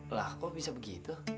lah kok bisa begitu